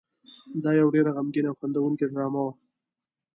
دا یو ډېره غمګینه او خندوونکې ډرامه وه.